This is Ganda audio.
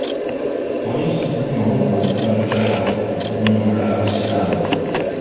Poliisi ekubye omukka ogubalagala okugumbulula abasiraamu.